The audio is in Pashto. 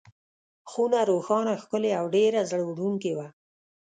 خونه روښانه، ښکلې او ډېره زړه وړونکې وه.